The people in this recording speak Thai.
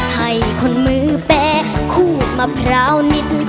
ให้คนมือแปรคู่มะพร้าวนิด